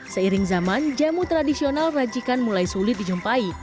seiring zaman jamu tradisional rajikan mulai sulit dijumpai